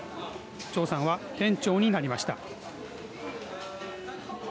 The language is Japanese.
趙さんは店長になりました。